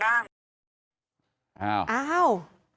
แม่บอกไม่ได้คุยทุกวันนะคุยกันบ้าง